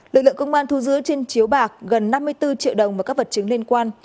lực lượng công an thu giữ trên chiếu bạc gần năm mươi bốn triệu đồng và các vật chứng liên quan